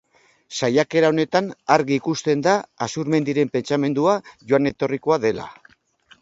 Saiakera honetan argi ikusten da Azurmendiren pentsamendua joan-etorrikoa dela.